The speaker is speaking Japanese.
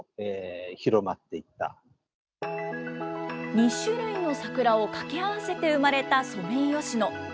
２種類の桜を掛け合わせて生まれたソメイヨシノ。